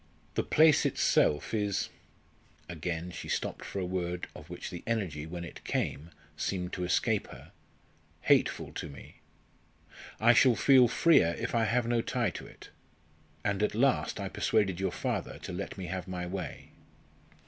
The place itself is" again she stopped for a word of which the energy, when it came, seemed to escape her "hateful to me. I shall feel freer if I have no tie to it. And at last I persuaded your father to let me have my way."